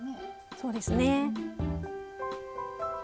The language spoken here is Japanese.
そうですね。